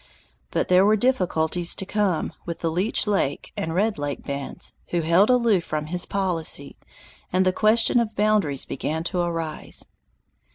But there were difficulties to come with the Leech Lake and Red Lake bands, who held aloof from his policy, and the question of boundaries began to arise.